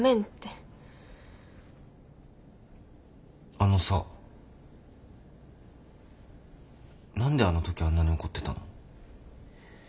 あのさ何であのときあんなに怒ってたの？